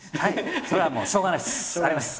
それはもうしょうがないです。あります。